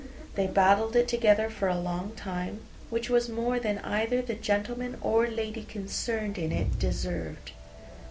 They battled it together for a long time, which was more than either the gentleman or lady concerned in it deserved.